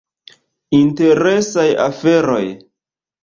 Interesaj aferoj.